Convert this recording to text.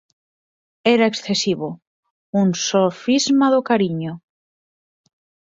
Era excesivo: un sofisma do cariño.